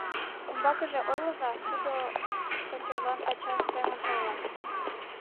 — Умбакыже ойлыза, — тудо Канчерлан ача семын ойла.